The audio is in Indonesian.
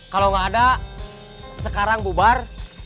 kalau nggak ada sekarang bubar